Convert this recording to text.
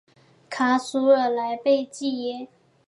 卡祖尔莱贝济耶。